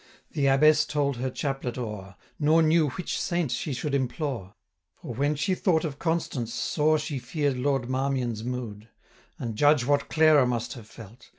The Abbess told her chaplet o'er, Nor knew which Saint she should implore; For, when she thought of Constance, sore She fear'd Lord Marmion's mood. 520 And judge what Clara must have felt!